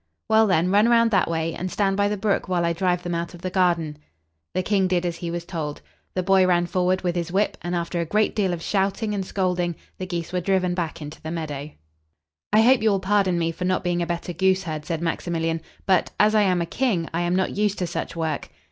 "Well, then, run around that way, and stand by the brook while I drive them out of the garden." The king did as he was told. The boy ran forward with his whip, and after a great deal of shouting and scolding, the geese were driven back into the meadow. "I hope you will pardon me for not being a better goose herd," said Maximilian; "but, as I am a king, I am not used to such work."